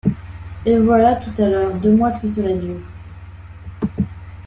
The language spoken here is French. Et voilà tout à l’heure Deux mois que cela dure?